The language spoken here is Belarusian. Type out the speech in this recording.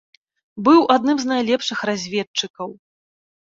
Быў адным з найлепшых разведчыкаў.